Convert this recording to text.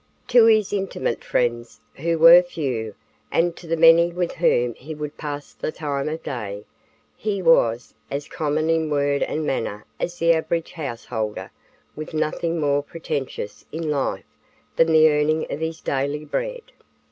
To his intimate friends, who were few, and to the many with whom he would pass the time of day, he was as common in word and manner as the average householder with nothing more pretentious in life than the earning of his daily bread.